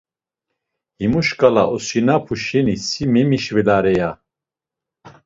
Himu şǩala osinapu şeni si memişvelare, ya.